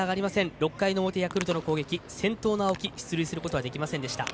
６回の表ヤクルトの攻撃先頭の青木、出塁することはできませんでした。